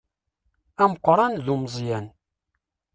Ameqqan d umeẓẓyan.